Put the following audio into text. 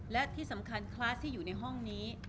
และที่สำคัญคลาสที่อยู่ในห้องนี้